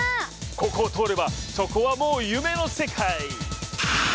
ここを通ればそこはもう夢の世界！